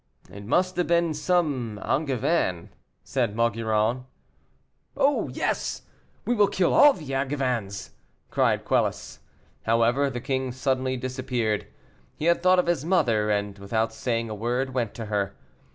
"It must have been some Angevin," said Maugiron. "Oh yes! we will kill all the Angevins!" cried Quelus. However, the king suddenly disappeared; he had thought of his mother, and, without saying a word, went to her.